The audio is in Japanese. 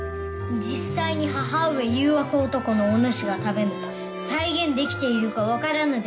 実際に母上誘惑男のおぬしが食べぬと再現できているかわからぬであろう。